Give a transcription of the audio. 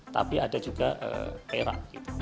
tapi ada juga perak